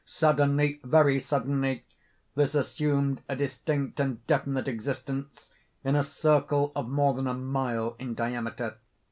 Suddenly—very suddenly—this assumed a distinct and definite existence, in a circle of more than a mile in diameter.